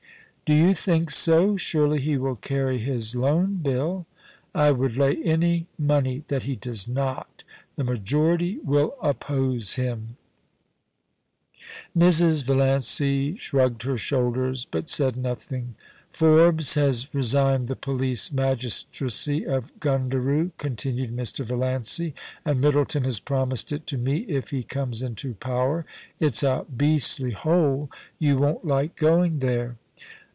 * Do you think so ? Surely he will carry his Loan Bill* ' I would lay any money that he does not The majority will oppose him.* MRS. VALLANCrS HOME. 47 Mrs. Valiancy shrugged her shoulders, but said nothing. ' Forbes has resigned the police magistracy of Gundaroo,* continued Mr. Valiancy, * and Middleton has promised it to me, if he comes into power. It's a beastly hole. You won't like going there.